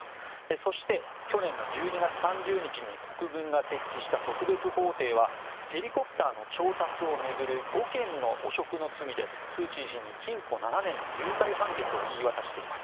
そして、去年１２月３０日に国軍が設置した特別法廷はヘリコプターの調達を巡る５件の汚職の罪でスー・チー氏に禁錮７年の有罪判決を言い渡しています。